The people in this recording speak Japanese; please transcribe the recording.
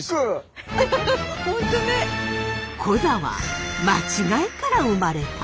コザは間違いから生まれた！？